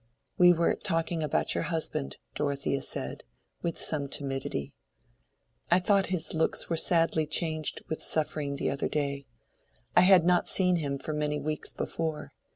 "We were talking about your husband," Dorothea said, with some timidity. "I thought his looks were sadly changed with suffering the other day. I had not seen him for many weeks before.